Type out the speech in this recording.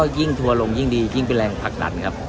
ยิ่งชัวร์ลงยิ่งดียิ่งได้รักภักดันครับ